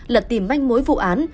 lật tìm manh mối vụ án